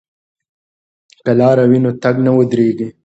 که لاره وي نو تګ نه ودریږي.